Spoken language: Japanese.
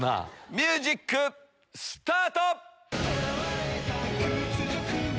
ミュージックスタート！